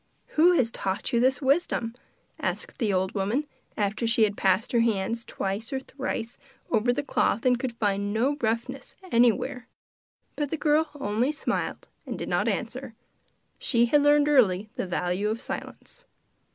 'Who has taught you this wisdom?' asked the old woman, after she had passed her hands twice or thrice over the cloth and could find no roughness anywhere. But the girl only smiled and did not answer. She had learned early the value of silence.